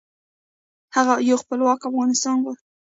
هغه یو خپلواک افغانستان غوښت .